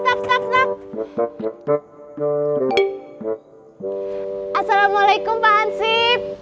assalamualaikum pak ansip